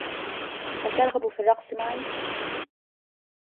هل ترغب في الرقص معي ؟